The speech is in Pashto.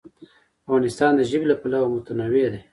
افغانستان د ژبې له پلوه متنوع دی.